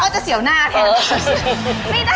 แล้วก็จะเสียวหน้าแทน